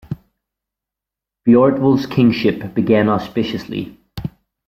Beorhtwulf's kingship began auspiciously.